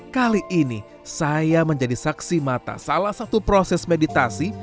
kali ini saya menjadi saksi mata salah satu proses meditasi